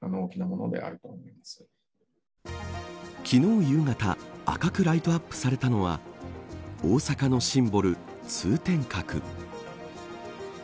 昨日夕方赤くライトアップされたのは大阪のシンボル、通天閣。